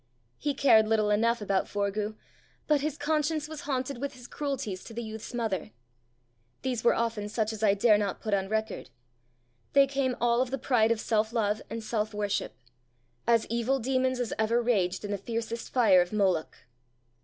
He cared little enough about Forgue, but his conscience was haunted with his cruelties to the youth's mother. These were often such as I dare not put on record: they came all of the pride of self love and self worship as evil demons as ever raged in the fiercest fire of Moloch.